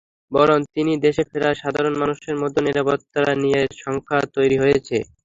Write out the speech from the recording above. বরং তিনি দেশে ফেরায় সাধারণ মানুষের মধ্যে নিরাপত্তা নিয়ে শঙ্কা তৈরি হয়েছে।